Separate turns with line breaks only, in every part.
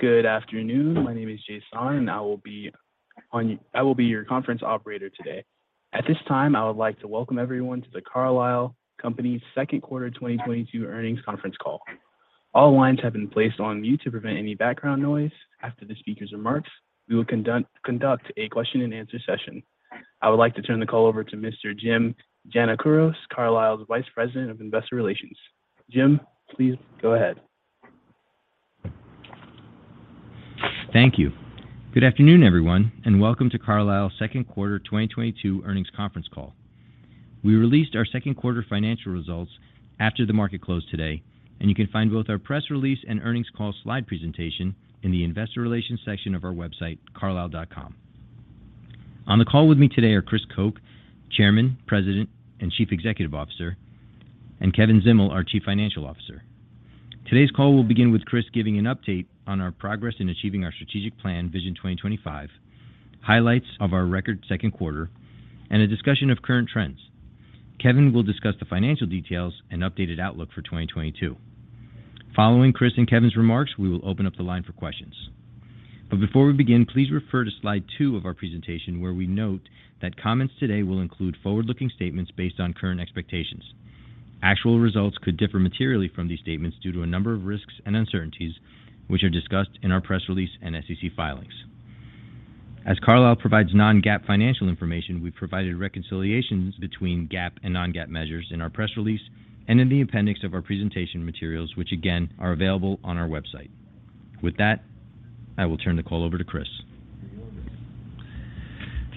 Good afternoon. My name is Jason, and I will be your Conference Operator today. At this time, I would like to welcome everyone to the Carlisle Companies Second Quarter 2022 Earnings Conference Call. All lines have been placed on mute to prevent any background noise. After the speaker's remarks, we will conduct a question and answer session. I would like to turn the call over to Mr. Jim Giannakouros, Carlisle's Vice President of Investor Relations. Jim, please go ahead.
Thank you. Good afternoon, everyone, and welcome to Carlisle Second Quarter 2022 Earnings Conference Call. We released our second quarter financial results after the market closed today, and you can find both our press release and earnings call slide presentation in the Investor Relations section of our website, carlisle.com. On the call with me today are Chris Koch, Chairman, President, and Chief Executive Officer, and Kevin Zdimal, our Chief Financial Officer. Today's call will begin with Chris giving an update on our progress in achieving our strategic plan, Vision 2025, highlights of our record second quarter, and a discussion of current trends. Kevin will discuss the financial details and updated outlook for 2022. Following Chris and Kevin's remarks, we will open up the line for questions. Before we begin, please refer to slide two of our presentation, where we note that comments today will include forward-looking statements based on current expectations. Actual results could differ materially from these statements due to a number of risks and uncertainties, which are discussed in our press release and SEC filings. As Carlisle provides non-GAAP financial information, we provided reconciliations between GAAP and non-GAAP measures in our press release and in the appendix of our presentation materials, which again are available on our website. With that, I will turn the call over to Chris.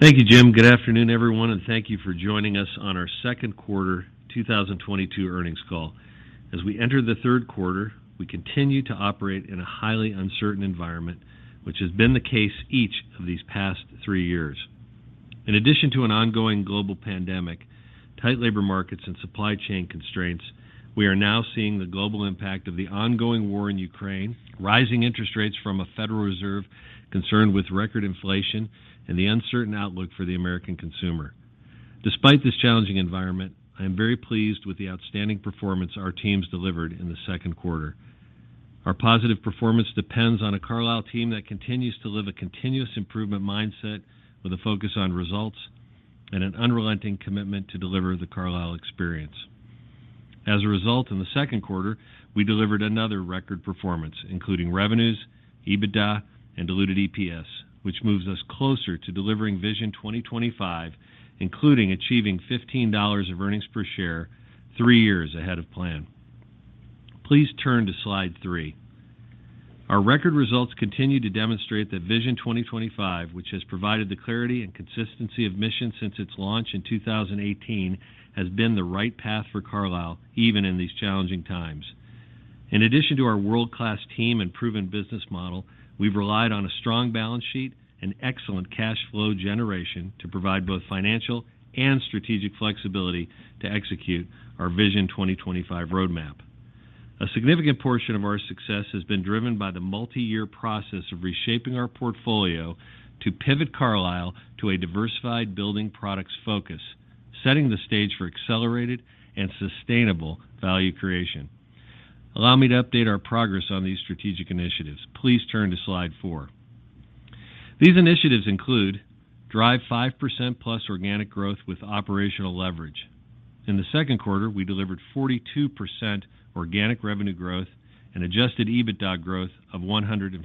Thank you, Jim. Good afternoon, everyone, and thank you for joining us on our Second Quarter 2022 Earnings Call. As we enter the third quarter, we continue to operate in a highly uncertain environment, which has been the case each of these past three years. In addition to an ongoing global pandemic, tight labor markets and supply chain constraints, we are now seeing the global impact of the ongoing war in Ukraine, rising interest rates from a Federal Reserve concerned with record inflation and the uncertain outlook for the American consumer. Despite this challenging environment, I am very pleased with the outstanding performance our teams delivered in the second quarter. Our positive performance depends on a Carlisle team that continues to live a continuous improvement mindset with a focus on results and an unrelenting commitment to deliver the Carlisle experience. As a result, in the second quarter, we delivered another record performance, including revenues, EBITDA and diluted EPS, which moves us closer to delivering Vision 2025, including achieving $15 of earnings per share three years ahead of plan. Please turn to slide three. Our record results continue to demonstrate that Vision 2025, which has provided the clarity and consistency of mission since its launch in 2018, has been the right path for Carlisle even in these challenging times. In addition to our world-class team and proven business model, we've relied on a strong balance sheet and excellent cash flow generation to provide both financial and strategic flexibility to execute our Vision 2025 roadmap. A significant portion of our success has been driven by the multi-year process of reshaping our portfolio to pivot Carlisle to a diversified building products focus, setting the stage for accelerated and sustainable value creation. Allow me to update our progress on these strategic initiatives. Please turn to slide four. These initiatives include drive 5%+ organic growth with operational leverage. In the second quarter, we delivered 42% organic revenue growth and adjusted EBITDA growth of 146%.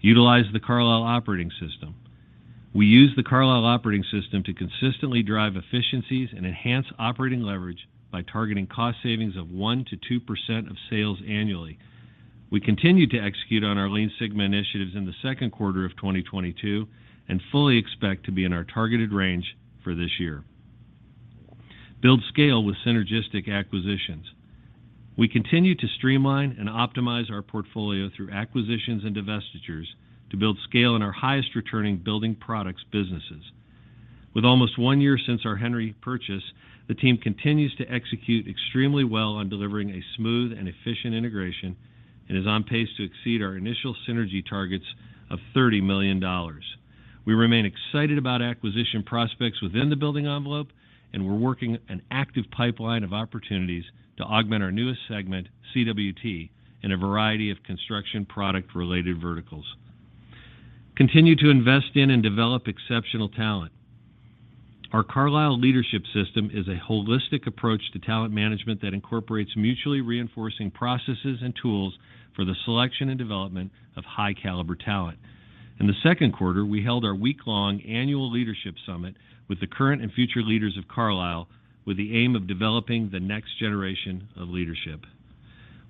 Utilize the Carlisle Operating System. We use the Carlisle Operating System to consistently drive efficiencies and enhance operating leverage by targeting cost savings of 1%-2% of sales annually. We continue to execute on our Lean Six Sigma initiatives in the second quarter of 2022 and fully expect to be in our targeted range for this year. Build scale with synergistic acquisitions. We continue to streamline and optimize our portfolio through acquisitions and divestitures to build scale in our highest returning building products businesses. With almost one year since our Henry purchase, the team continues to execute extremely well on delivering a smooth and efficient integration and is on pace to exceed our initial synergy targets of $30 million. We remain excited about acquisition prospects within the building envelope, and we're working an active pipeline of opportunities to augment our newest segment, CWT, in a variety of construction product-related verticals. Continue to invest in and develop exceptional talent. Our Carlisle leadership system is a holistic approach to talent management that incorporates mutually reinforcing processes and tools for the selection and development of high caliber talent. In the second quarter, we held our week-long annual leadership summit with the current and future leaders of Carlisle with the aim of developing the next generation of leadership.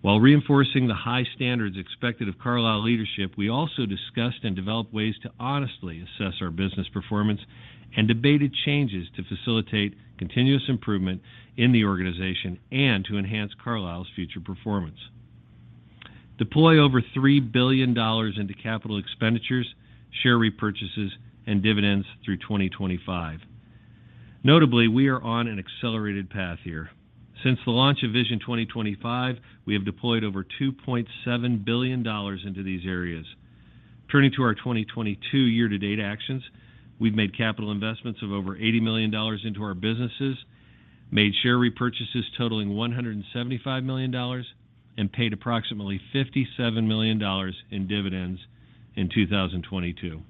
While reinforcing the high standards expected of Carlisle leadership, we also discussed and developed ways to honestly assess our business performance and debated changes to facilitate continuous improvement in the organization and to enhance Carlisle's future performance. Deploy over $3 billion into capital expenditures, share repurchases, and dividends through 2025. Notably, we are on an accelerated path here. Since the launch of Vision 2025, we have deployed over $2.7 billion into these areas. Turning to our 2022 year-to-date actions, we've made capital investments of over $80 million into our businesses, made share repurchases totaling $175 million, and paid approximately $57 million in dividends in 2022.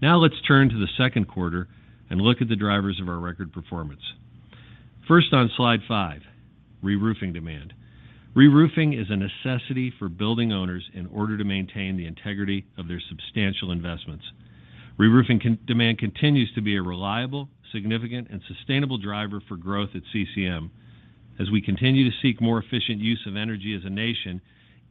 Now let's turn to the second quarter and look at the drivers of our record performance. First, on slide five, reroofing demand. Reroofing is a necessity for building owners in order to maintain the integrity of their substantial investments. Reroofing demand continues to be a reliable, significant, and sustainable driver for growth at CCM. As we continue to seek more efficient use of energy as a nation,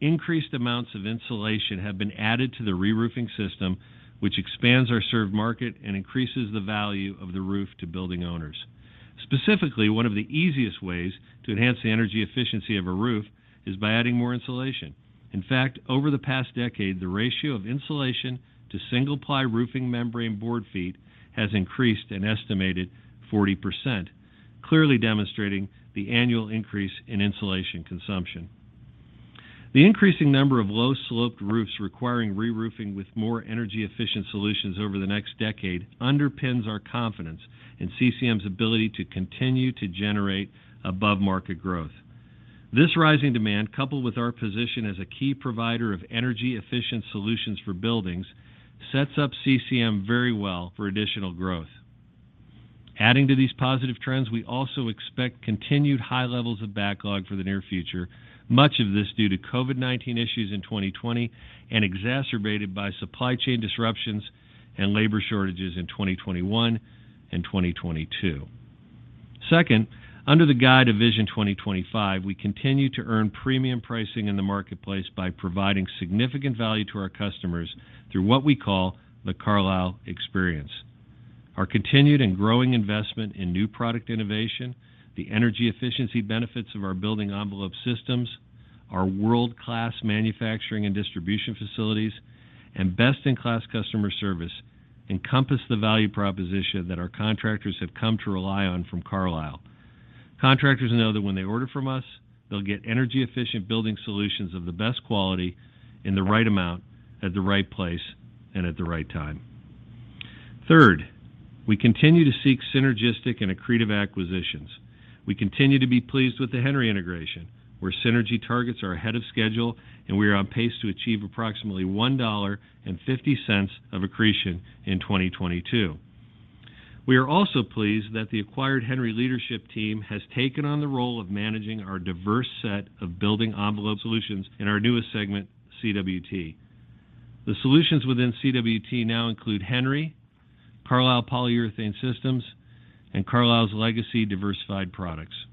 increased amounts of insulation have been added to the reroofing system, which expands our served market and increases the value of the roof to building owners. Specifically, one of the easiest ways to enhance the energy efficiency of a roof is by adding more insulation. In fact, over the past decade, the ratio of insulation to single-ply roofing membrane board feet has increased an estimated 40%, clearly demonstrating the annual increase in insulation consumption. The increasing number of low-sloped roofs requiring reroofing with more energy-efficient solutions over the next decade underpins our confidence in CCM's ability to continue to generate above-market growth. This rising demand, coupled with our position as a key provider of energy-efficient solutions for buildings, sets up CCM very well for additional growth. Adding to these positive trends, we also expect continued high levels of backlog for the near future, much of this due to COVID-19 issues in 2020 and exacerbated by supply chain disruptions and labor shortages in 2021 and 2022. Second, under the guise of Vision 2025, we continue to earn premium pricing in the marketplace by providing significant value to our customers through what we call the Carlisle Experience. Our continued and growing investment in new product innovation, the energy efficiency benefits of our building envelope systems, our world-class manufacturing and distribution facilities, and best-in-class customer service encompass the value proposition that our contractors have come to rely on from Carlisle. Contractors know that when they order from us, they'll get energy-efficient building solutions of the best quality in the right amount, at the right place, and at the right time. Third, we continue to seek synergistic and accretive acquisitions. We continue to be pleased with the Henry integration, where synergy targets are ahead of schedule, and we are on pace to achieve approximately $1.50 of accretion in 2022. We are also pleased that the acquired Henry leadership team has taken on the role of managing our diverse set of building envelope solutions in our newest segment, CWT. The solutions within CWT now include Henry, Carlisle Polyurethane Systems, and Carlisle's legacy diversified products.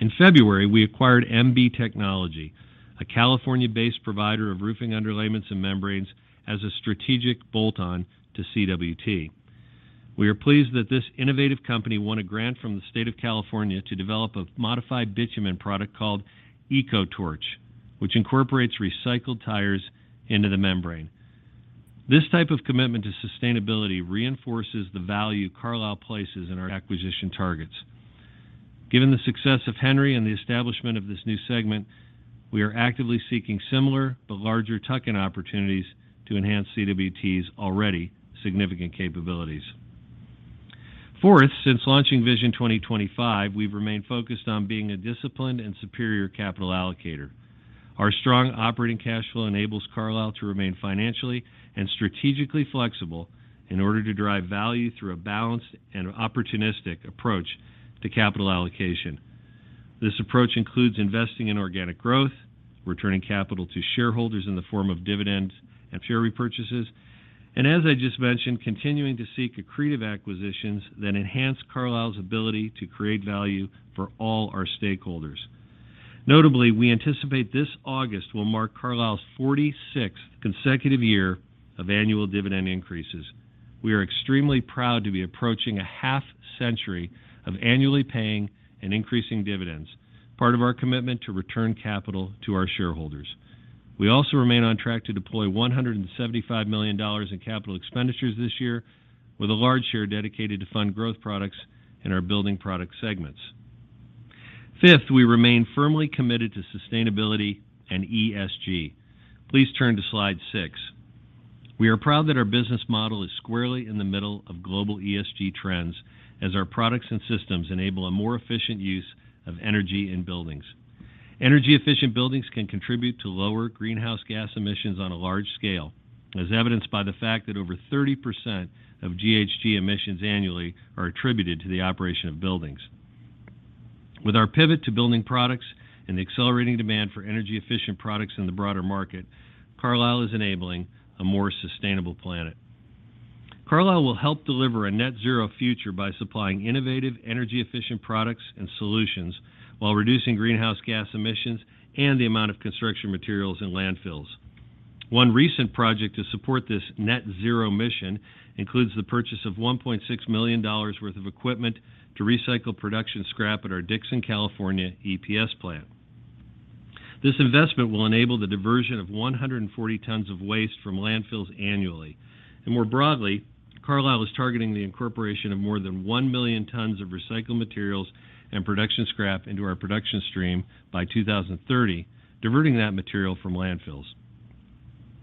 In February, we acquired MBTechnology, a California-based provider of roofing underlayments and membranes, as a strategic bolt-on to CWT. We are pleased that this innovative company won a grant from the state of California to develop a modified bitumen product called Eco Torch, which incorporates recycled tires into the membrane. This type of commitment to sustainability reinforces the value Carlisle places in our acquisition targets. Given the success of Henry and the establishment of this new segment, we are actively seeking similar but larger tuck-in opportunities to enhance CWT's already significant capabilities. Fourth, since launching Vision 2025, we've remained focused on being a disciplined and superior capital allocator. Our strong operating cash flow enables Carlisle to remain financially and strategically flexible in order to drive value through a balanced and opportunistic approach to capital allocation. This approach includes investing in organic growth, returning capital to shareholders in the form of dividends and share repurchases, and as I just mentioned, continuing to seek accretive acquisitions that enhance Carlisle's ability to create value for all our stakeholders. Notably, we anticipate this August will mark Carlisle's 46th consecutive year of annual dividend increases. We are extremely proud to be approaching a half-century of annually paying and increasing dividends, part of our commitment to return capital to our shareholders. We also remain on track to deploy $175 million in capital expenditures this year, with a large share dedicated to fund growth products in our building product segments. Fifth, we remain firmly committed to sustainability and ESG. Please turn to slide six. We are proud that our business model is squarely in the middle of global ESG trends as our products and systems enable a more efficient use of energy in buildings. Energy-efficient buildings can contribute to lower greenhouse gas emissions on a large scale, as evidenced by the fact that over 30% of GHG emissions annually are attributed to the operation of buildings. With our pivot to building products and the accelerating demand for energy-efficient products in the broader market, Carlisle is enabling a more sustainable planet. Carlisle will help deliver a net zero future by supplying innovative, energy-efficient products and solutions while reducing greenhouse gas emissions and the amount of construction materials in landfills. One recent project to support this net zero mission includes the purchase of $1.6 million worth of equipment to recycle production scrap at our Dixon, California EPS plant. This investment will enable the diversion of 140 tons of waste from landfills annually. More broadly, Carlisle is targeting the incorporation of more than 1 million tons of recycled materials and production scrap into our production stream by 2030, diverting that material from landfills.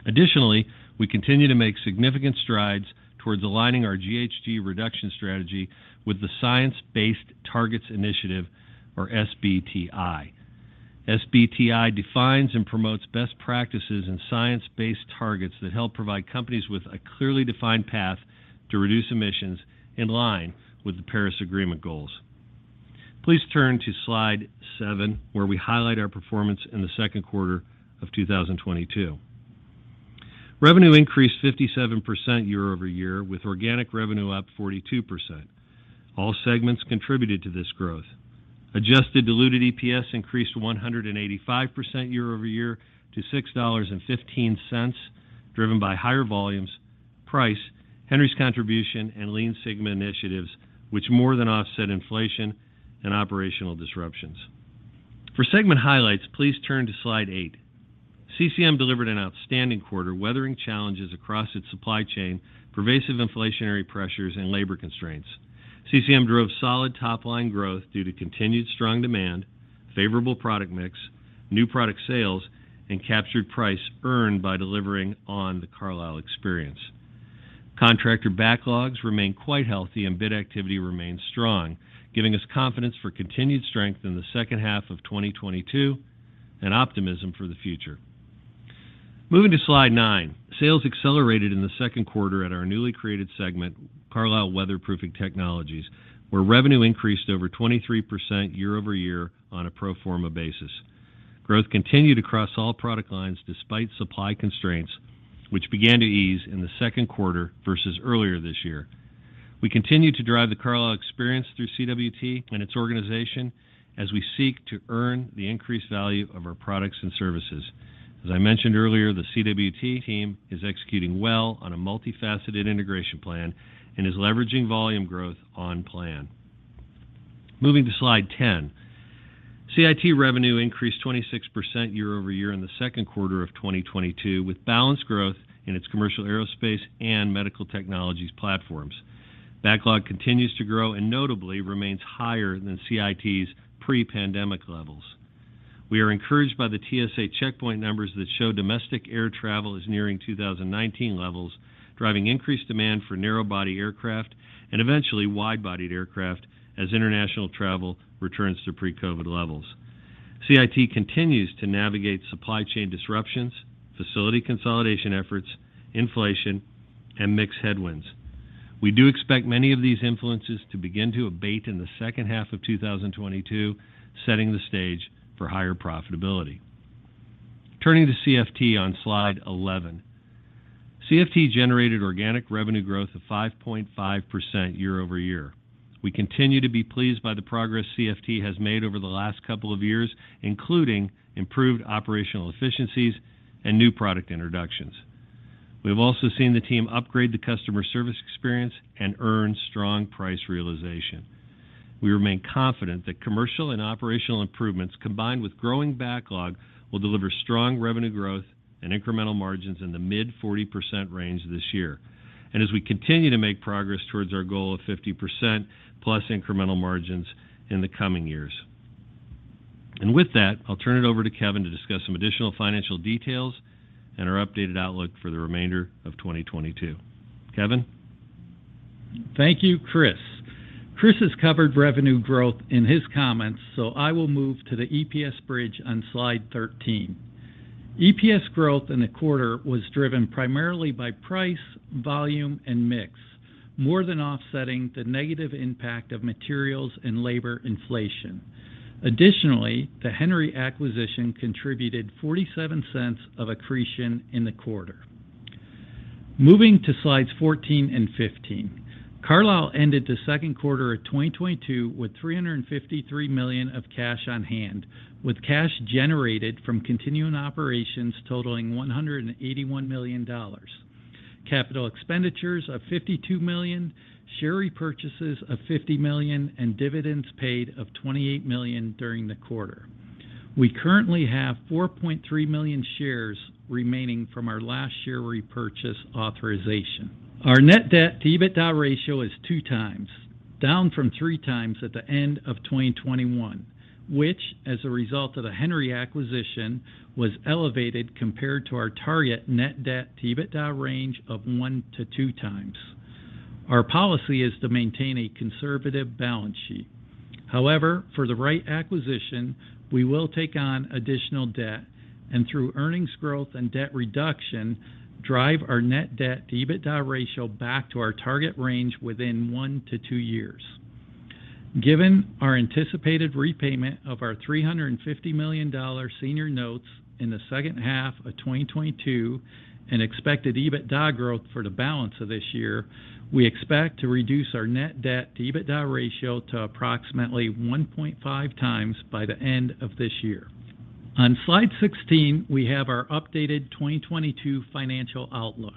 Additionally, we continue to make significant strides towards aligning our GHG reduction strategy with the Science Based Targets initiative, or SBTI. SBTI defines and promotes best practices and science-based targets that help provide companies with a clearly defined path to reduce emissions in line with the Paris Agreement goals. Please turn to slide 7, where we highlight our performance in the second quarter of 2022. Revenue increased 57% year-over-year, with organic revenue up 42%. All segments contributed to this growth. Adjusted diluted EPS increased 185% year-over-year to $6.15, driven by higher volumes, price, Henry's contribution, and Lean Six Sigma initiatives, which more than offset inflation and operational disruptions. For segment highlights, please turn to slide eight. CCM delivered an outstanding quarter, weathering challenges across its supply chain, pervasive inflationary pressures, and labor constraints. CCM drove solid top-line growth due to continued strong demand, favorable product mix, new product sales, and captured price earned by delivering on the Carlisle experience. Contractor backlogs remain quite healthy and bid activity remains strong, giving us confidence for continued strength in the second half of 2022 and optimism for the future. Moving to slide nine. Sales accelerated in the second quarter at our newly created segment, Carlisle Weatherproofing Technologies, where revenue increased over 23% year-over-year on a pro forma basis. Growth continued across all product lines despite supply constraints, which began to ease in the second quarter versus earlier this year. We continue to drive the Carlisle experience through CWT and its organization as we seek to earn the increased value of our products and services. As I mentioned earlier, the CWT team is executing well on a multifaceted integration plan and is leveraging volume growth on plan. Moving to slide 10. CIT revenue increased 26% year-over-year in the second quarter of 2022, with balanced growth in its commercial aerospace and medical technologies platforms. Backlog continues to grow and notably remains higher than CIT's pre-pandemic levels. We are encouraged by the TSA checkpoint numbers that show domestic air travel is nearing 2019 levels, driving increased demand for narrow-body aircraft and eventually wide-bodied aircraft as international travel returns to pre-COVID levels. CIT continues to navigate supply chain disruptions, facility consolidation efforts, inflation, and mix headwinds. We do expect many of these influences to begin to abate in the second half of 2022, setting the stage for higher profitability. Turning to CFT on slide 11. CFT generated organic revenue growth of 5.5% year-over-year. We continue to be pleased by the progress CFT has made over the last couple of years, including improved operational efficiencies and new product introductions. We have also seen the team upgrade the customer service experience and earn strong price realization. We remain confident that commercial and operational improvements combined with growing backlog will deliver strong revenue growth and incremental margins in the mid-40% range this year. We continue to make progress towards our goal of 50%+ incremental margins in the coming years. With that, I'll turn it over to Kevin to discuss some additional financial details and our updated outlook for the remainder of 2022. Kevin?
Thank you, Chris. Chris has covered revenue growth in his comments, so I will move to the EPS bridge on slide 13. EPS growth in the quarter was driven primarily by price, volume, and mix, more than offsetting the negative impact of materials and labor inflation. Additionally, the Henry acquisition contributed $0.47 of accretion in the quarter. Moving to slides 14 and 15. Carlisle ended the second quarter of 2022 with $353 million of cash on hand, with cash generated from continuing operations totaling $181 million. Capital expenditures of $52 million, share repurchases of $50 million, and dividends paid of $28 million during the quarter. We currently have 4.3 million shares remaining from our last share repurchase authorization. Our net debt to EBITDA ratio is 2x, down from 3x at the end of 2021, which as a result of the Henry acquisition, was elevated compared to our target net debt to EBITDA ratio range of 1x-2x. Our policy is to maintain a conservative balance sheet. However, for the right acquisition, we will take on additional debt, and through earnings growth and debt reduction, drive our net debt to EBITDA ratio back to our target range within one-two years. Given our anticipated repayment of our $350 million senior notes in the second half of 2022 and expected EBITDA growth for the balance of this year, we expect to reduce our net debt to EBITDA ratio to approximately 1.5x by the end of this year. On slide 16, we have our updated 2022 financial outlook.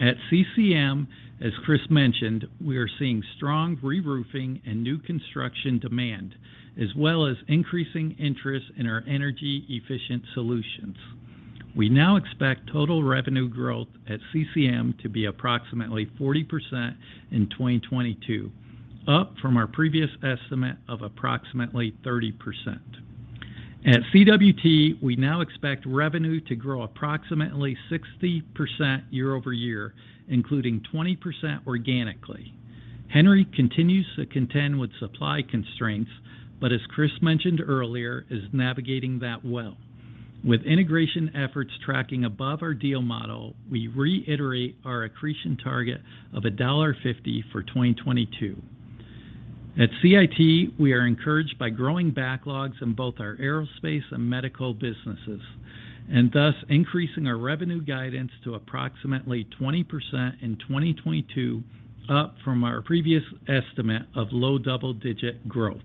At CCM, as Chris mentioned, we are seeing strong reroofing and new construction demand, as well as increasing interest in our energy-efficient solutions. We now expect total revenue growth at CCM to be approximately 40% in 2022, up from our previous estimate of approximately 30%. At CWT, we now expect revenue to grow approximately 60% year-over-year, including 20% organically. Henry continues to contend with supply constraints, but as Chris mentioned earlier, is navigating that well. With integration efforts tracking above our deal model, we reiterate our accretion target of $1.50 for 2022. At CIT, we are encouraged by growing backlogs in both our aerospace and medical businesses, and thus increasing our revenue guidance to approximately 20% in 2022, up from our previous estimate of low double-digit growth.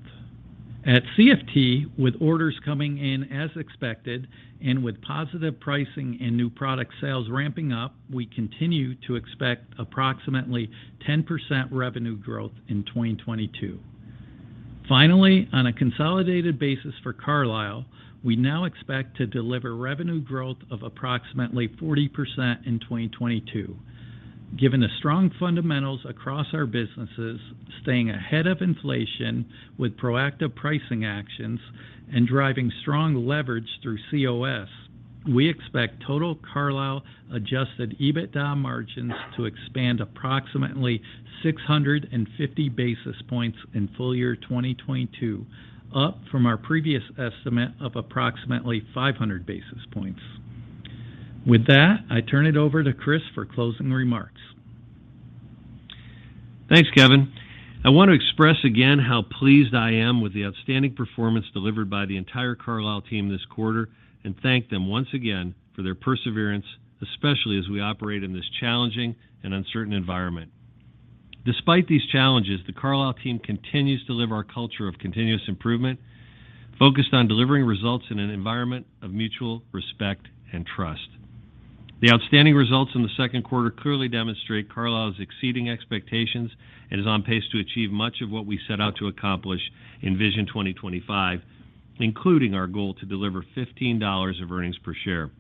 At CFT, with orders coming in as expected and with positive pricing and new product sales ramping up, we continue to expect approximately 10% revenue growth in 2022. Finally, on a consolidated basis for Carlisle, we now expect to deliver revenue growth of approximately 40% in 2022. Given the strong fundamentals across our businesses, staying ahead of inflation with proactive pricing actions and driving strong leverage through COS, we expect total Carlisle adjusted EBITDA margins to expand approximately 650 basis points in full year 2022, up from our previous estimate of approximately 500 basis points. With that, I turn it over to Chris for closing remarks.
Thanks, Kevin. I want to express again how pleased I am with the outstanding performance delivered by the entire Carlisle team this quarter, and thank them once again for their perseverance, especially as we operate in this challenging and uncertain environment. Despite these challenges, the Carlisle team continues to live our culture of continuous improvement, focused on delivering results in an environment of mutual respect and trust. The outstanding results in the second quarter clearly demonstrate Carlisle is exceeding expectations and is on pace to achieve much of what we set out to accomplish in Vision 2025, including our goal to deliver $15 of earnings per share.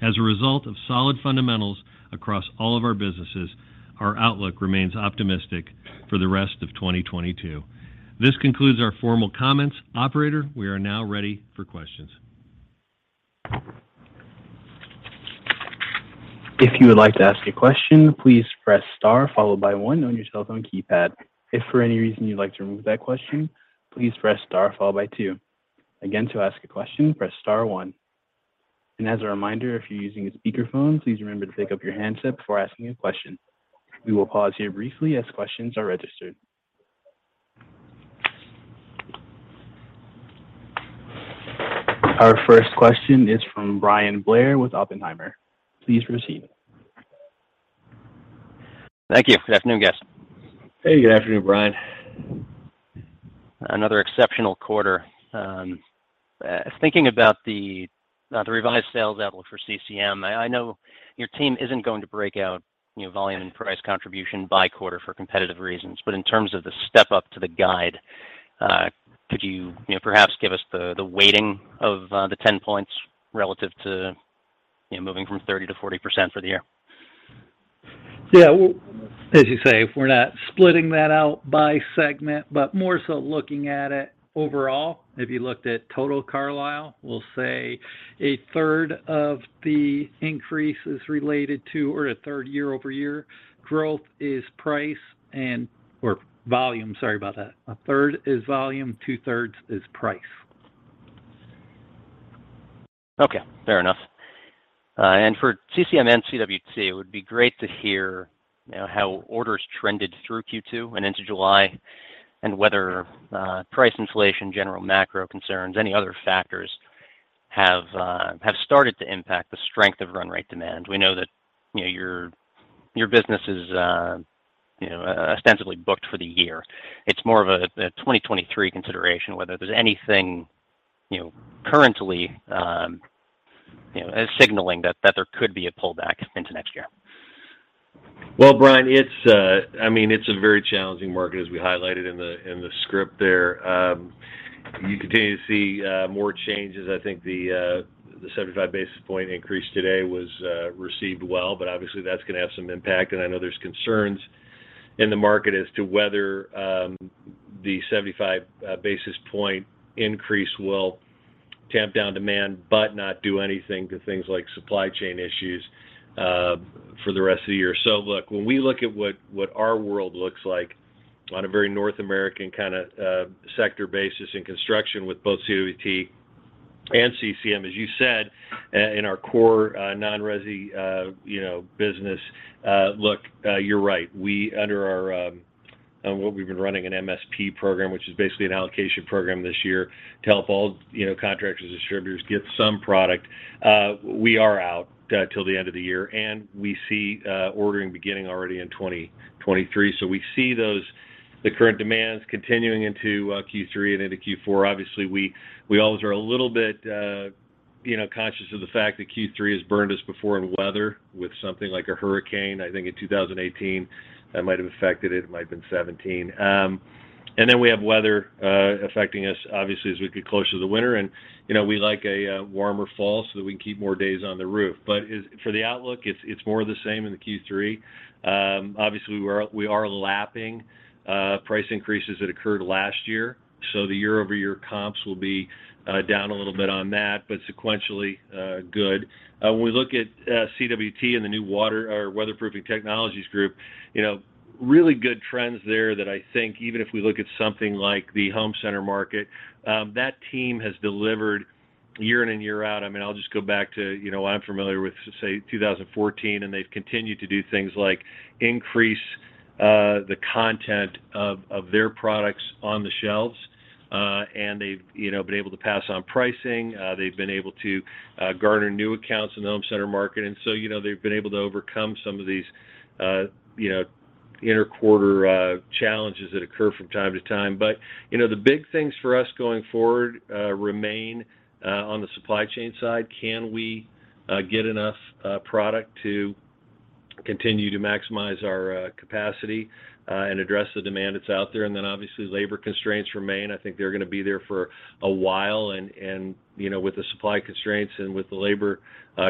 As a result of solid fundamentals across all of our businesses, our outlook remains optimistic for the rest of 2022. This concludes our formal comments. Operator, we are now ready for questions.
If you would like to ask a question, please press star followed by one on your cell phone keypad. If for any reason you'd like to remove that question, please press star followed by two. Again, to ask a question, press star one. As a reminder, if you're using a speakerphone, please remember to pick up your handset before asking a question. We will pause here briefly as questions are registered. Our first question is from Bryan Blair with Oppenheimer. Please proceed.
Thank you. Good afternoon, guys.
Hey, good afternoon, Bryan.
Another exceptional quarter. Thinking about the revised sales outlook for CCM, I know your team isn't going to break out, you know, volume and price contribution by quarter for competitive reasons. In terms of the step up to the guide, could you know, perhaps give us the weighting of the 10 points relative to, you know, moving from 30%-40% for the year?
Yeah. Well, as you say, we're not splitting that out by segment, but more so looking at it overall. If you looked at total Carlisle, we'll say a third of the increase is related to, or a third year-over-year growth is price, or volume, sorry about that. A third is volume, two-thirds is price.
Okay. Fair enough. For CCM and CWT, it would be great to hear, you know, how orders trended through Q2 and into July and whether price inflation, general macro concerns, any other factors have started to impact the strength of run rate demand. We know that, you know, your business is, you know, ostensibly booked for the year. It's more of a 2023 consideration, whether there's anything, you know, currently signaling that there could be a pullback into next year.
Well, Brian, it's, I mean, it's a very challenging market, as we highlighted in the script there. You continue to see more changes. I think the 75 basis point increase today was received well, but obviously that's gonna have some impact. I know there's concerns in the market as to whether the 75 basis point increase will tamp down demand, but not do anything to things like supply chain issues for the rest of the year. Look, when we look at what our world looks like on a very North American kind of sector basis in construction with both CWT and CCM, as you said, in our core non-resi you know business, look, you're right. Under our what we've been running an MSP program, which is basically an allocation program this year to help all, you know, contractors and distributors get some product, we are out till the end of the year, and we see ordering beginning already in 2023. We see those. The current demand is continuing into Q3 and into Q4. Obviously, we always are a little bit, you know, conscious of the fact that Q3 has burned us before in weather with something like a hurricane. I think in 2018, that might have affected it. It might have been 2017. Then we have weather affecting us obviously, as we get closer to the winter. You know, we like a warmer fall so that we can keep more days on the roof. For the outlook, it's more the same in the Q3. Obviously, we are lapping price increases that occurred last year, so the year-over-year comps will be down a little bit on that, but sequentially good. When we look at CWT and the new Weatherproofing Technologies group, you know, really good trends there that I think even if we look at something like the home center market, that team has delivered year in and year out. I mean, I'll just go back to, you know, what I'm familiar with, say, 2014, and they've continued to do things like increase the content of their products on the shelves. And they've, you know, been able to pass on pricing. They've been able to garner new accounts in the home center market. You know, they've been able to overcome some of these, you know, inter-quarter challenges that occur from time to time. But, you know, the big things for us going forward remain on the supply chain side. Can we get enough product to continue to maximize our capacity and address the demand that's out there? Obviously, labor constraints remain. I think they're gonna be there for a while and, you know, with the supply constraints and with the labor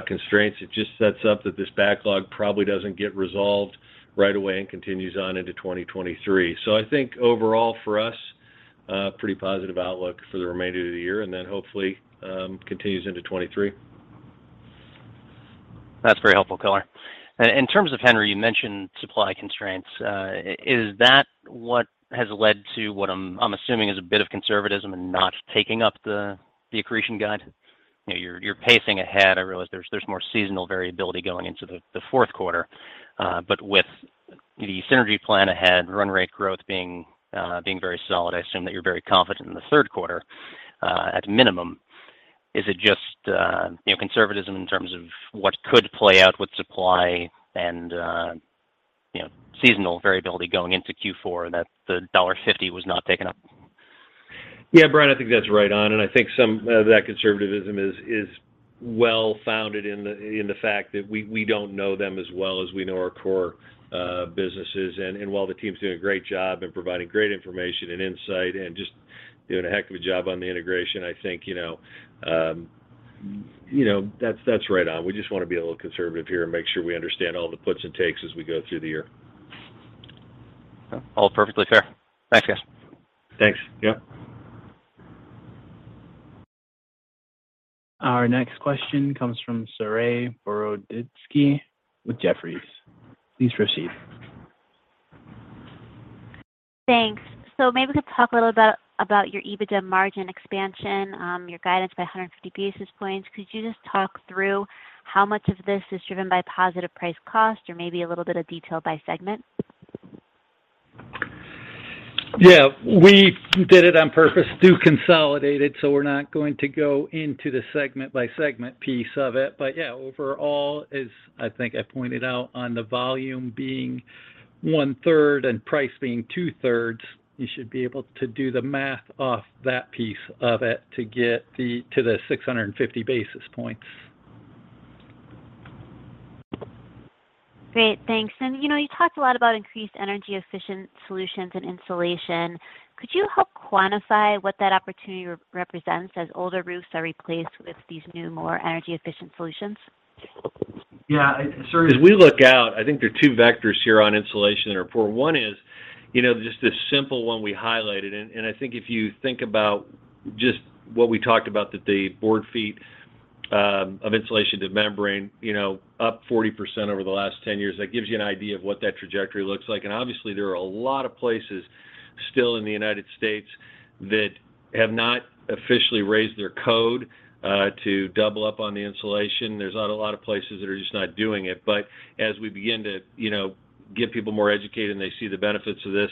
constraints, it just sets up that this backlog probably doesn't get resolved right away and continues on into 2023. I think overall for us, a pretty positive outlook for the remainder of the year and then hopefully continues into 2023.
That's very helpful, Koch. In terms of Henry, you mentioned supply constraints. Is that what has led to what I'm assuming is a bit of conservatism in not taking up the accretion guide? You know, you're pacing ahead. I realize there's more seasonal variability going into the fourth quarter. But with the synergy plan ahead, run rate growth being very solid, I assume that you're very confident in the third quarter at minimum. Is it just, you know, conservatism in terms of what could play out with supply and, you know, seasonal variability going into Q4, and that the $150 was not taken up?
Yeah, Bryan, I think that's right on. I think some of that conservatism is well-founded in the fact that we don't know them as well as we know our core businesses. While the team's doing a great job and providing great information and insight and just doing a heck of a job on the integration, I think, you know, that's right on. We just wanna be a little conservative here and make sure we understand all the puts and takes as we go through the year.
All perfectly fair. Thanks, guys.
Thanks. Yep.
Our next question comes from Saree Boroditsky with Jefferies. Please proceed.
Thanks. Maybe we could talk a little about your EBITDA margin expansion, your guidance by 150 basis points. Could you just talk through how much of this is driven by positive price cost or maybe a little bit of detail by segment?
Yeah. We did it on purpose to consolidate it, so we're not going to go into the segment-by-segment piece of it. Yeah, overall, as I think I pointed out on the volume being 1/3 and price being 2/3, you should be able to do the math off that piece of it to get to the 650 basis points.
Great. Thanks. You know, you talked a lot about increased energy efficient solutions and insulation. Could you help quantify what that opportunity represents as older roofs are replaced with these new, more energy efficient solutions?
Yeah. Saree- As we look out, I think there are two vectors here on insulation that are poor. One is, you know, just the simple one we highlighted. I think if you think about just what we talked about, that the board feet of insulation to membrane, you know, up 40% over the last 10 years, that gives you an idea of what that trajectory looks like. Obviously, there are a lot of places still in the United States that have not officially raised their code to double up on the insulation. There's not a lot of places that are just not doing it. As we begin to, you know, get people more educated and they see the benefits of this,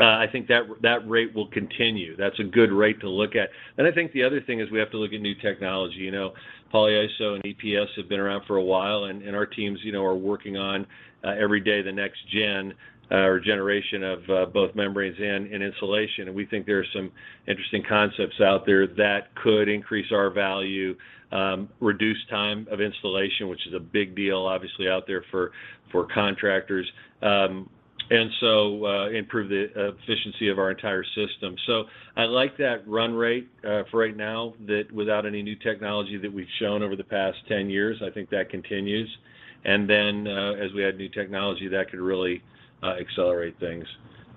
I think that rate will continue. That's a good rate to look at. I think the other thing is we have to look at new technology. You know, Polyiso and EPS have been around for a while, and our teams, you know, are working on every day the next gen or generation of both membranes and insulation. We think there are some interesting concepts out there that could increase our value, reduce time of installation, which is a big deal obviously, out there for contractors, and improve the efficiency of our entire system. I like that run rate for right now that without any new technology that we've shown over the past 10 years, I think that continues. As we add new technology, that could really accelerate things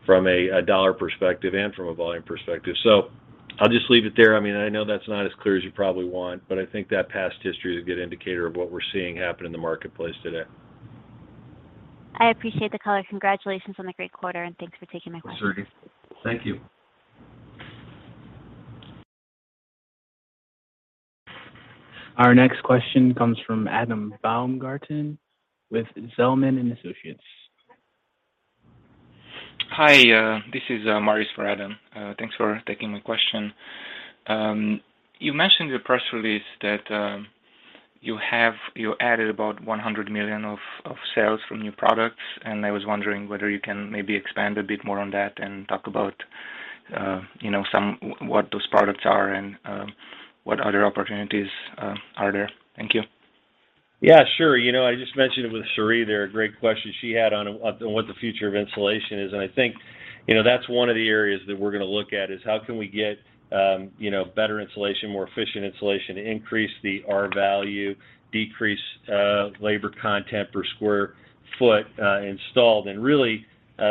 from a dollar perspective and from a volume perspective. I'll just leave it there. I mean, I know that's not as clear as you probably want, but I think that past history is a good indicator of what we're seeing happen in the marketplace today.
I appreciate the color. Congratulations on the great quarter, and thanks for taking my question.
Saree, thank you.
Our next question comes from Adam Baumgarten with Zelman & Associates.
Hi, this is Maurice for Adam. Thanks for taking my question. You mentioned in your press release that You added about $100 million of sales from new products, and I was wondering whether you can maybe expand a bit more on that and talk about, you know, what those products are and what other opportunities are there. Thank you.
Yeah, sure. You know, I just mentioned it with Saree there, a great question she had on what the future of insulation is, and I think, you know, that's one of the areas that we're gonna look at, is how can we get, you know, better insulation, more efficient insulation to increase the R-value, decrease labor content per square foot installed. Really,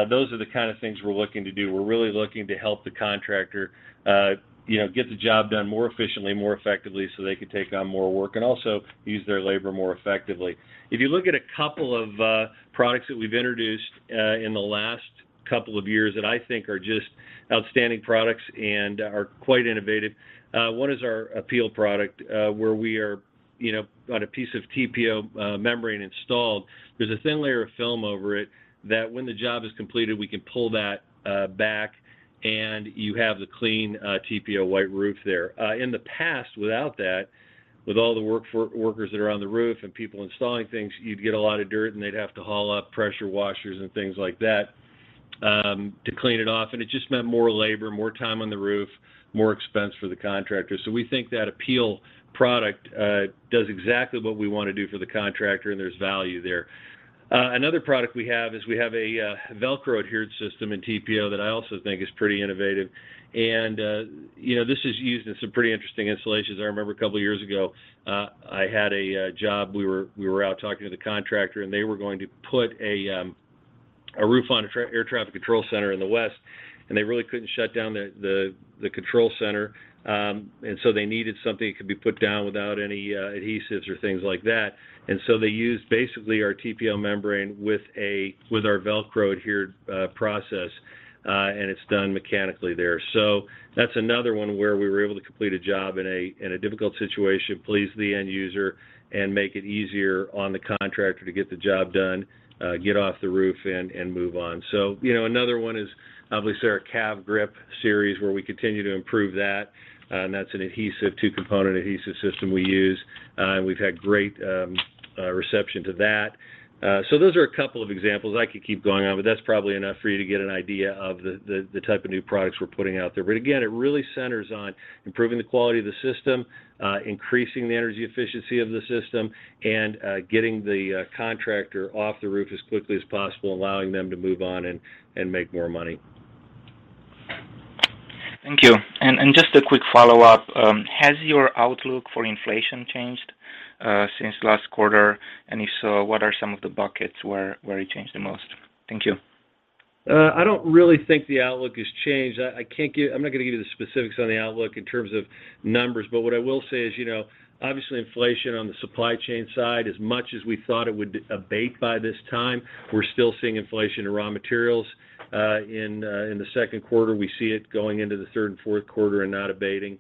those are the kind of things we're looking to do. We're really looking to help the contractor, you know, get the job done more efficiently, more effectively, so they can take on more work and also use their labor more effectively. If you look at a couple of products that we've introduced in the last couple of years that I think are just outstanding products and are quite innovative, one is our APEEL product, where we are, you know, on a piece of TPO membrane installed, there's a thin layer of film over it that when the job is completed, we can pull that back, and you have the clean TPO white roof there. In the past, without that, with all the workers that are on the roof and people installing things, you'd get a lot of dirt, and they'd have to haul up pressure washers and things like that to clean it off. It just meant more labor, more time on the roof, more expense for the contractor. We think that APEEL product does exactly what we wanna do for the contractor, and there's value there. Another product we have is a VELCRO adhered system in TPO that I also think is pretty innovative. You know, this is used in some pretty interesting installations. I remember a couple of years ago I had a job. We were out talking to the contractor, and they were going to put a roof on a air traffic control center in the west, and they really couldn't shut down the control center. They needed something that could be put down without any adhesives or things like that. They used basically our TPO membrane with our VELCRO adhered process, and it's done mechanically there. That's another one where we were able to complete a job in a difficult situation, please the end user and make it easier on the contractor to get the job done, get off the roof and move on. You know, another one is obviously our CAV-GRIP series, where we continue to improve that, and that's an adhesive, two-component adhesive system we use. And we've had great reception to that. Those are a couple of examples. I could keep going on, but that's probably enough for you to get an idea of the type of new products we're putting out there. Again, it really centers on improving the quality of the system, increasing the energy efficiency of the system, and getting the contractor off the roof as quickly as possible, allowing them to move on and make more money.
Thank you. Just a quick follow-up. Has your outlook for inflation changed since last quarter? If so, what are some of the buckets where it changed the most? Thank you.
I don't really think the outlook has changed. I'm not gonna give you the specifics on the outlook in terms of numbers, but what I will say is, you know, obviously inflation on the supply chain side, as much as we thought it would abate by this time, we're still seeing inflation in raw materials in the second quarter. We see it going into the third and fourth quarter and not abating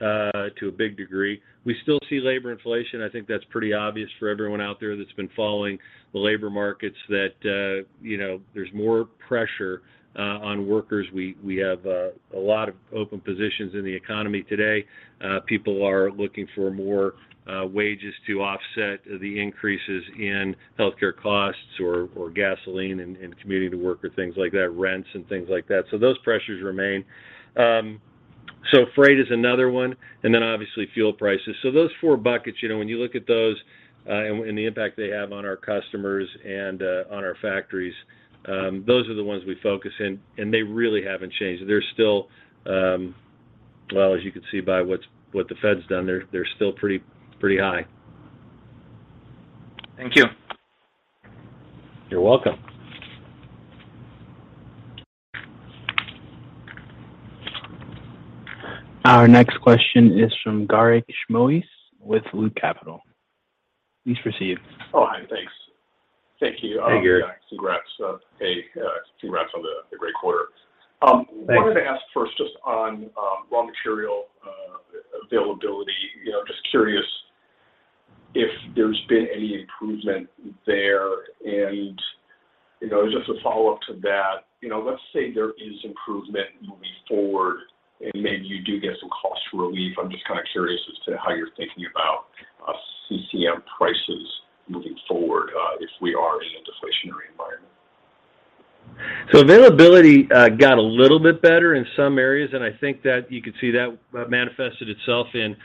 to a big degree. We still see labor inflation. I think that's pretty obvious for everyone out there that's been following the labor markets that, you know, there's more pressure on workers. We have a lot of open positions in the economy today. People are looking for more wages to offset the increases in healthcare costs or gasoline and commuting to work or things like that, rents and things like that. Those pressures remain. Freight is another one, and then obviously fuel prices. Those four buckets, you know, when you look at those, and the impact they have on our customers and on our factories, those are the ones we focus in, and they really haven't changed. They're still, as you can see by what the Fed's done, they're still pretty high.
Thank you.
You're welcome.
Our next question is from Garik Shmois with Loop Capital Markets. Please proceed.
Oh, hi. Thanks. Thank you.
Hey, Garik.
Yeah, congrats. Hey, congrats on the great quarter.
Thanks.
Wanted to ask first just on raw material availability. You know, just curious if there's been any improvement there. You know, just a follow-up to that, you know, let's say there is improvement moving forward, and maybe you do get some cost relief. I'm just kinda curious as to how you're thinking about CCM prices moving forward if we are in a deflationary environment.
Availability got a little bit better in some areas, and I think that you could see that manifested itself in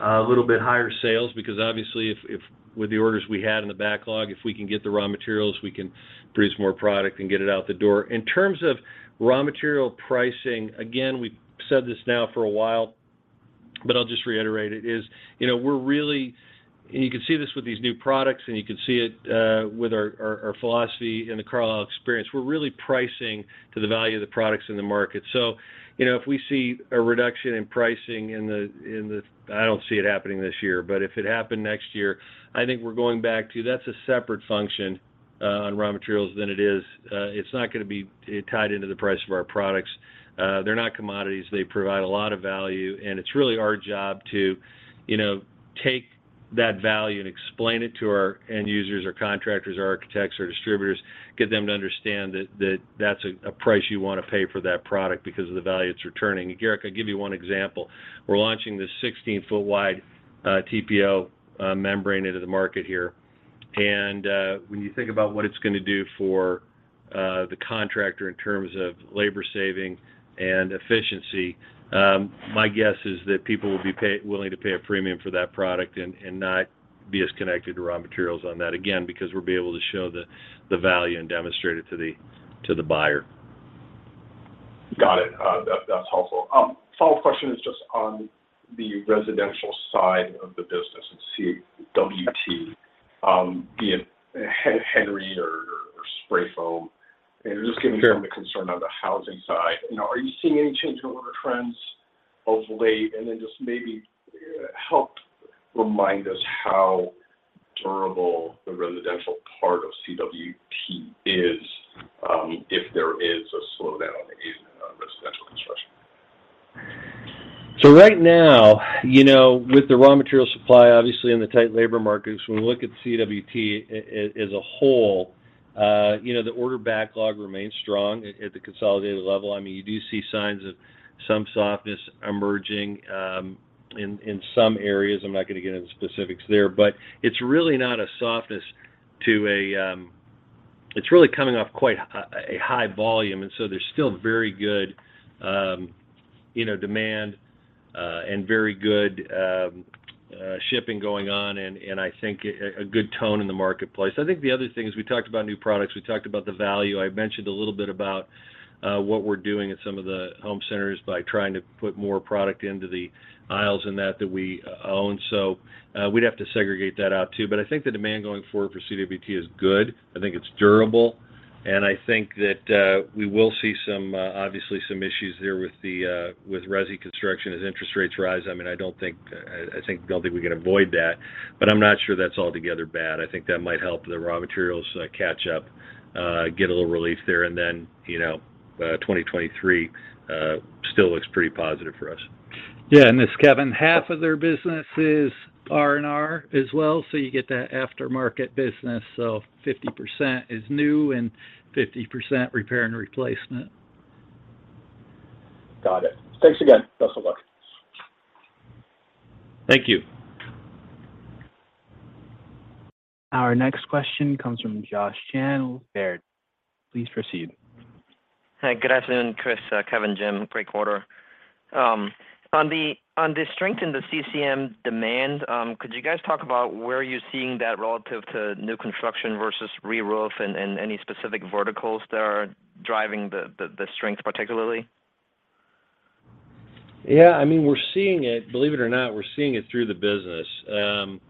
a little bit higher sales because obviously if with the orders we had in the backlog, if we can get the raw materials, we can produce more product and get it out the door. In terms of raw material pricing, again, we've said this now for a while, but I'll just reiterate it, you know, we're really. You can see this with these new products, and you can see it with our philosophy in the Carlisle experience. We're really pricing to the value of the products in the market. You know, if we see a reduction in pricing in the. I don't see it happening this year, but if it happened next year, I think we're going back to that. That's a separate function on raw materials than it is. It's not gonna be tied into the price of our products. They're not commodities. They provide a lot of value, and it's really our job to, you know, take that value and explain it to our end users or contractors or architects or distributors, get them to understand that that's a price you wanna pay for that product because of the value it's returning. Garik, I'll give you one example. We're launching this 16-foot wide TPO membrane into the market here. When you think about what it's gonna do for the contractor in terms of labor saving and efficiency, my guess is that people will be willing to pay a premium for that product and not be as connected to raw materials on that, again, because we'll be able to show the value and demonstrate it to the buyer.
Got it. That's helpful. Follow-up question is just on the residential side of the business in CWT, be it Henry or Spray Foam. Just given the concern on the housing side, you know, are you seeing any change in order trends of late? Then just maybe help remind us how durable the residential part of CWT is, if there is a slowdown in residential construction.
Right now, with the raw material supply obviously in the tight labor markets, when we look at CWT as a whole, the order backlog remains strong at the consolidated level. I mean, you do see signs of some softness emerging in some areas. I'm not gonna get into specifics there. It's really coming off quite a high volume, and there's still very good demand, and very good shipping going on and I think a good tone in the marketplace. I think the other thing is we talked about new products. We talked about the value. I mentioned a little bit about what we're doing at some of the home centers by trying to put more product into the aisles in that we own. We'd have to segregate that out too, but I think the demand going forward for CWT is good. I think it's durable, and I think that we will see some obviously some issues there with resi construction as interest rates rise. I mean, I don't think we can avoid that, but I'm not sure that's altogether bad. I think that might help the raw materials catch up, get a little relief there, and then, you know, 2023 still looks pretty positive for us.
Yeah, this is Kevin. Half of their business is R&R as well, so you get that aftermarket business. 50% is new and 50% repair and replacement.
Got it. Thanks again. Best of luck.
Thank you.
Our next question comes from Josh Chan with Baird. Please proceed.
Hi. Good afternoon, Chris, Kevin, Jim. Great quarter. On the strength in the CCM demand, could you guys talk about where you're seeing that relative to new construction versus reroof and any specific verticals that are driving the strength particularly?
Yeah, I mean, we're seeing it. Believe it or not, we're seeing it through the business.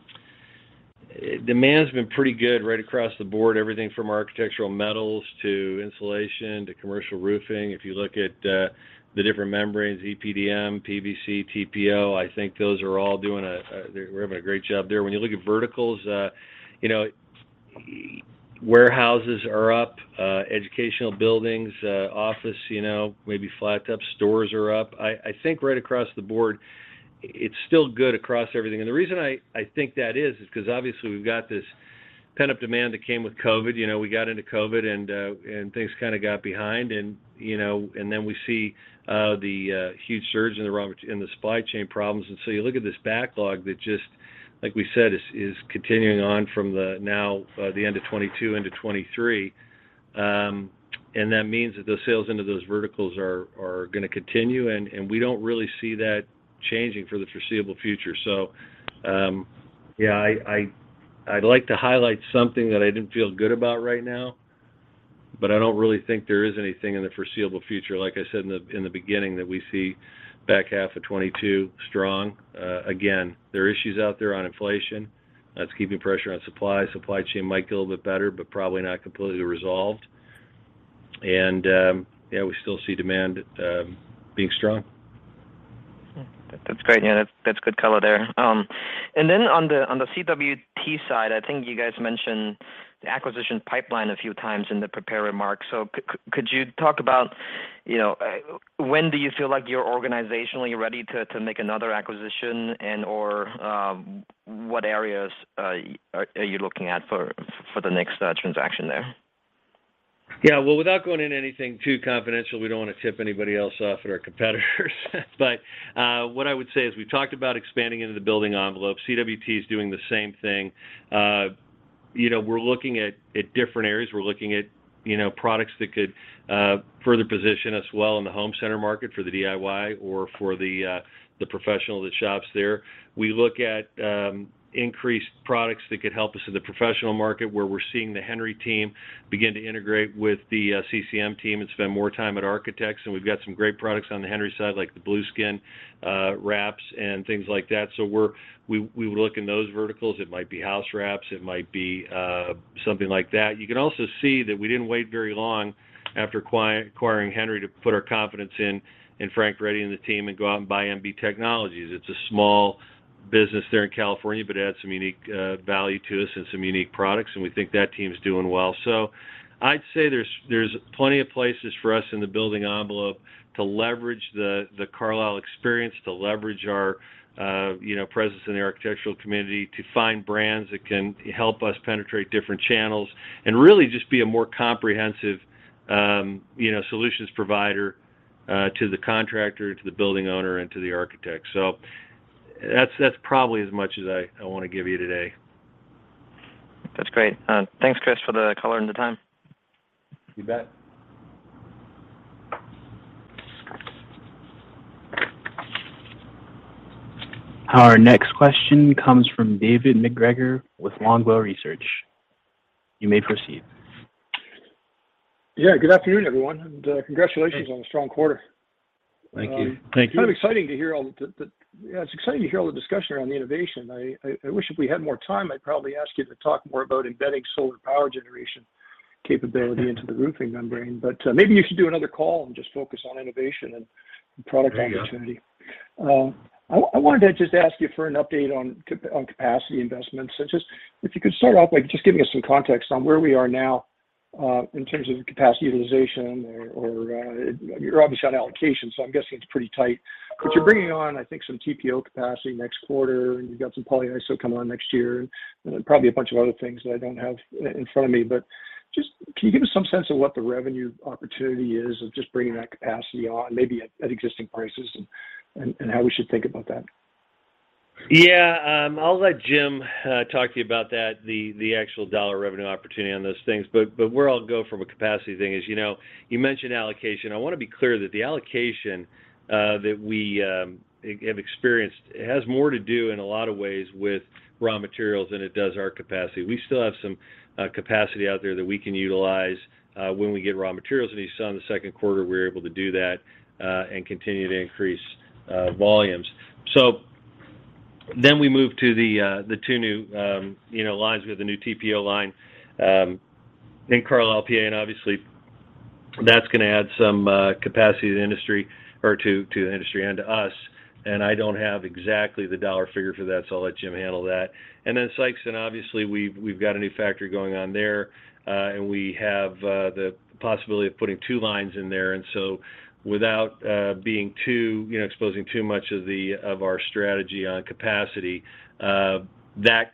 Demand's been pretty good right across the board, everything from architectural metals to insulation to commercial roofing. If you look at the different membranes, EPDM, PVC, TPO, I think those are all doing a great job there. When you look at verticals, you know, warehouses are up, educational buildings, office, you know, maybe flat tops stores are up. I think right across the board it's still good across everything. The reason I think that is 'cause obviously we've got this pent-up demand that came with COVID. You know, we got into COVID and things kinda got behind and, you know, and then we see the huge surge in the supply chain problems. You look at this backlog that just, like we said, is continuing on from the end of 2022 into 2023. That means that those sales into those verticals are gonna continue, and we don't really see that changing for the foreseeable future. I like to highlight something that I didn't feel good about right now, but I don't really think there is anything in the foreseeable future, like I said in the beginning, that we see back half of 2022 strong. Again, there are issues out there on inflation that's keeping pressure on supply. Supply chain might get a little bit better, but probably not completely resolved. We still see demand being strong.
That's great. Yeah, that's good color there. On the CWT side, I think you guys mentioned the acquisition pipeline a few times in the prepared remarks. Could you talk about, you know, when do you feel like you're organizationally ready to make another acquisition and/or what areas are you looking at for the next transaction there?
Yeah. Well, without going into anything too confidential, we don't wanna tip anybody else off at our competitors. What I would say is we've talked about expanding into the building envelope. CWT is doing the same thing. You know, we're looking at different areas. We're looking at, you know, products that could further position us well in the home center market for the DIY or for the professional that shops there. We look at increased products that could help us in the professional market, where we're seeing the Henry team begin to integrate with the CCM team and spend more time at architects, and we've got some great products on the Henry side, like the Blueskin wraps and things like that. We would look in those verticals. It might be house wraps. It might be something like that. You can also see that we didn't wait very long after acquiring Henry to put our confidence in Frank Ready and the team and go out and buy MBTechnology. It's a small business there in California, but it adds some unique value to us and some unique products, and we think that team's doing well. I'd say there's plenty of places for us in the building envelope to leverage the Carlisle experience, to leverage our you know presence in the architectural community, to find brands that can help us penetrate different channels and really just be a more comprehensive you know solutions provider to the contractor, to the building owner, and to the architect. That's probably as much as I wanna give you today.
That's great. Thanks Chris, for the color and the time.
You bet.
Our next question comes from David MacGregor with Longbow Research. You may proceed.
Yeah. Good afternoon, everyone, and congratulations.
Thank you.
on a strong quarter.
Thank you.
Thank you.
Yeah, it's exciting to hear all the discussion around the innovation. I wish if we had more time, I'd probably ask you to talk more about embedding solar power generation capability into the roofing membrane. Maybe you should do another call and just focus on innovation and product opportunity.
Yeah.
I wanted to just ask you for an update on capacity investments, and just if you could start off by just giving us some context on where we are now in terms of the capacity utilization or you're obviously on allocation, so I'm guessing it's pretty tight. You're bringing on, I think, some TPO capacity next quarter, and you've got some Polyiso come on next year, and probably a bunch of other things that I don't have in front of me. Just can you give us some sense of what the revenue opportunity is of just bringing that capacity on maybe at existing prices and how we should think about that?
Yeah. I'll let Jim talk to you about that, the actual dollar revenue opportunity on those things. Where I'll go from a capacity thing is, you know, you mentioned allocation. I wanna be clear that the allocation that we have experienced has more to do in a lot of ways with raw materials than it does our capacity. We still have some capacity out there that we can utilize when we get raw materials. You saw in the second quarter, we were able to do that and continue to increase volumes. We move to the two new, you know, lines. We have the new TPO line in Carlisle, PA, and obviously that's gonna add some capacity to the industry or to the industry and to us, and I don't have exactly the dollar figure for that, so I'll let Jim handle that. Sikeston, obviously, we've got a new factory going on there, and we have the possibility of putting two lines in there. Without being too you know exposing too much of our strategy on capacity, that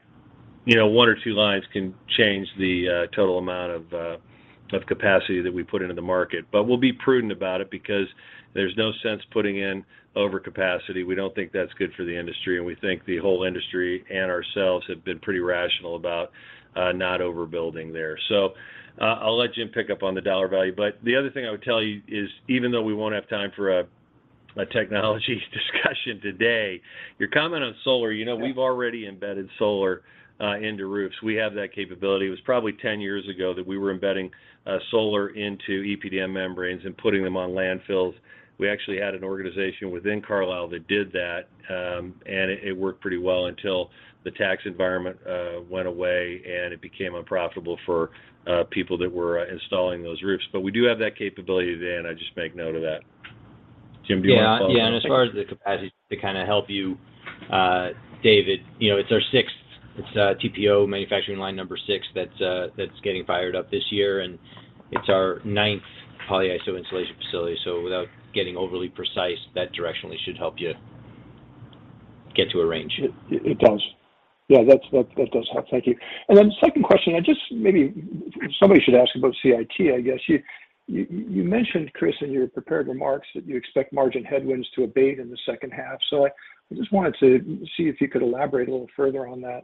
you know one or two lines can change the total amount of capacity that we put into the market. We'll be prudent about it because there's no sense putting in overcapacity. We don't think that's good for the industry, and we think the whole industry and ourselves have been pretty rational about not overbuilding there. I'll let Jim pick up on the dollar value. The other thing I would tell you is even though we won't have time for a technology discussion today, your comment on solar, you know, we've already embedded solar into roofs. We have that capability. It was probably 10 years ago that we were embedding solar into EPDM membranes and putting them on landfills. We actually had an organization within Carlisle that did that, and it worked pretty well until the tax environment went away and it became unprofitable for people that were installing those roofs. We do have that capability then. I'd just make note of that. Jim, do you wanna follow up on that?
Yeah. Yeah, as far as the capacity to kinda help you, David, you know, it's our sixth TPO manufacturing line number six that's getting fired up this year, and it's our ninth Polyiso insulation facility. Without getting overly precise, that directionally should help you get to a range.
It does. Yeah, that does help. Thank you. Then second question, I just maybe somebody should ask about CIT, I guess. You mentioned, Chris, in your prepared remarks that you expect margin headwinds to abate in the second half. I just wanted to see if you could elaborate a little further on that.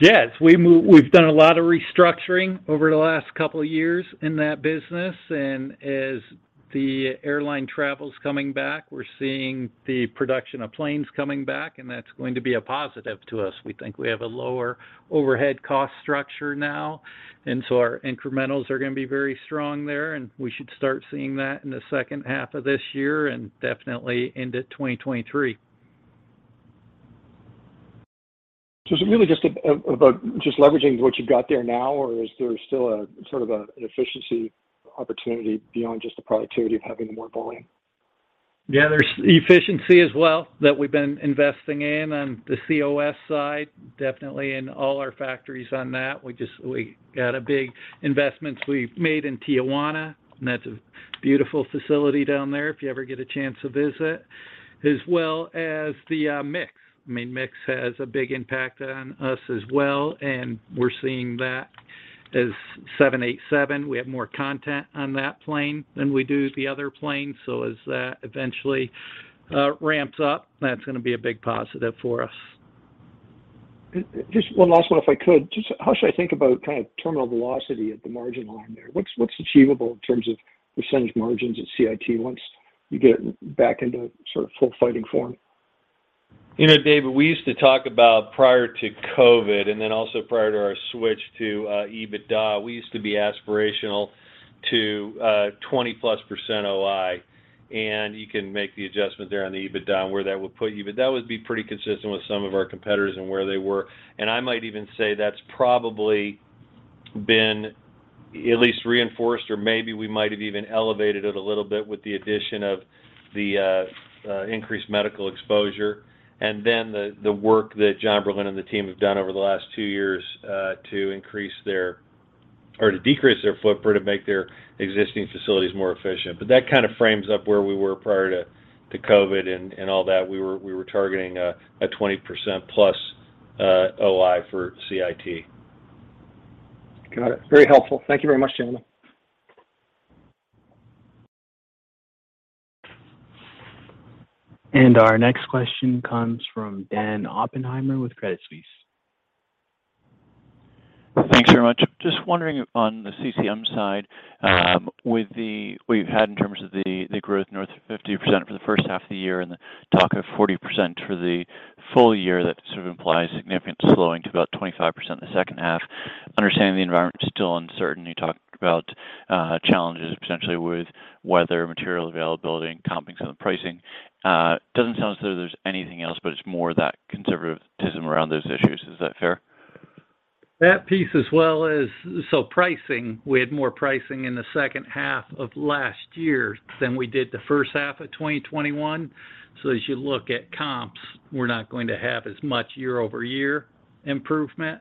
Yes. We've done a lot of restructuring over the last couple of years in that business. As the airline travel's coming back, we're seeing the production of planes coming back, and that's going to be a positive to us. We think we have a lower overhead cost structure now, and so our incrementals are gonna be very strong there, and we should start seeing that in the second half of this year and definitely into 2023.
Is it really just about just leveraging what you've got there now, or is there still a sort of an efficiency opportunity beyond just the productivity of having more volume?
Yeah. There's efficiency as well that we've been investing in on the COS side, definitely in all our factories on that. We got a big investments we've made in Tijuana, and that's a beautiful facility down there if you ever get a chance to visit. As well as the mix. I mean, mix has a big impact on us as well, and we're seeing that as 787. We have more contact on that plane than we do the other plane. As that eventually ramps up, that's gonna be a big positive for us.
Just one last one if I could. Just how should I think about kind of terminal velocity at the margin line there? What's achievable in terms of percentage margins at CIT once you get back into sort of full fighting form?
You know, David, we used to talk about prior to COVID and then also prior to our switch to EBITDA, we used to be aspirational to 20%+ OI, and you can make the adjustment there on the EBITDA and where that would put you. That would be pretty consistent with some of our competitors and where they were. I might even say that's probably been at least reinforced or maybe we might have even elevated it a little bit with the addition of the increased medical exposure and then the work that John Berlin and the team have done over the last two years to decrease their footprint and make their existing facilities more efficient. That kinda frames up where we were prior to COVID and all that. We were targeting a 20% plus OI for CIT.
Got it. Very helpful. Thank you very much. [inaudible]
Our next question comes from Dan Oppenheim with Credit Suisse.
Thanks very much. Just wondering on the CCM side, with what you've had in terms of the growth north of 50% for the first half of the year and the talk of 40% for the full year, that sort of implies significant slowing to about 25% in the second half. Understanding the environment is still uncertain. You talked about challenges potentially with weather, material availability, and comping some pricing. It doesn't sound as though there's anything else, but it's more that conservatism around those issues. Is that fair?
Pricing, we had more pricing in the second half of last year than we did the first half of 2021. As you look at comps, we're not going to have as much year-over-year improvement.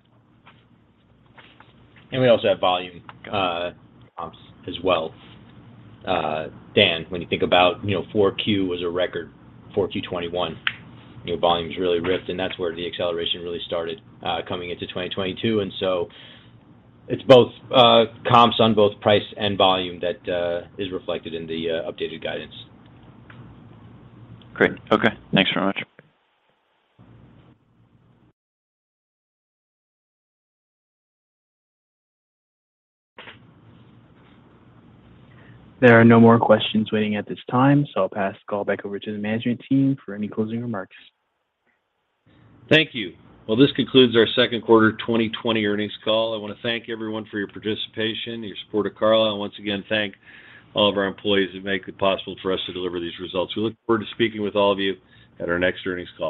We also have volume comps as well. Dan, when you think about, you know, 4Q was a record, 4Q21, you know, volumes really ripped, and that's where the acceleration really started, coming into 2022. So it's both comps on both price and volume that is reflected in the updated guidance.
Great. Okay. Thanks very much.
There are no more questions waiting at this time, so I'll pass the call back over to the management team for any closing remarks.
Thank you. Well, this concludes our second quarter 2020 earnings call. I wanna thank everyone for your participation, your support of Carlisle, and once again, thank all of our employees who make it possible for us to deliver these results. We look forward to speaking with all of you at our next earnings call.